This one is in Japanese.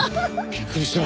びっくりした。